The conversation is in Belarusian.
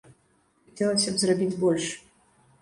Хацелася б зрабіць больш.